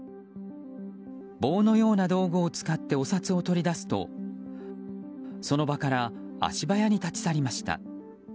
棒のような道具を使ってお札を取り出すとその場から足早に立ち去りました。